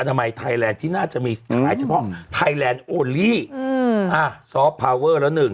นามัยไทยแลนด์ที่น่าจะมีขายเฉพาะไทยแลนด์โอลี่อืมอ่าซอฟต์พาเวอร์แล้วหนึ่ง